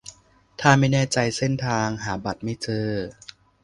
ถ้าไม่แน่ใจเส้นทาง หาบัตรไม่เจอ